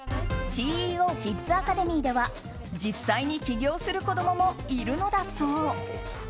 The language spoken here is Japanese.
ＣＥＯキッズアカデミーでは実際に起業する子供もいるのだそう。